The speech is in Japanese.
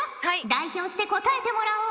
代表して答えてもらおう！